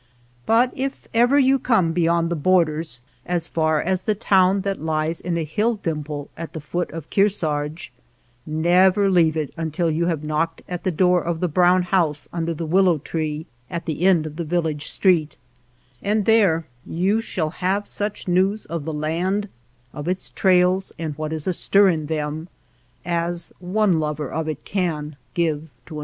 But if ever you come beyond the borders as far as the PREFACE town that lies in a hill dimple at the foot of Kearsarge, never leave it until you have knocked at the door of the brown house under the willow tree at the end of the village street, and there you shall have such news of the land, of its trails and what is astir in them, as one lover of it can give to another.